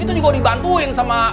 itu juga dibantuin sama